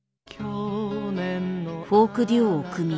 フォークデュオを組み